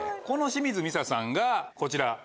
この清水美砂さんがこちら。